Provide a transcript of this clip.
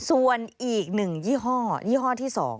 ส่วนอีก๑ยี่ห้อยี่ห้อที่๒